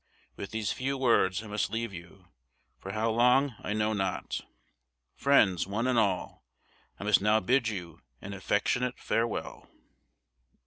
With these few words I must leave you: for how long I know not. Friends, one and all, I must now bid you an affectionate farewell."